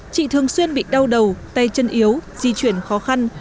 chị thường xuyên bị đau đầu tay chân yếu di chuyển khó khăn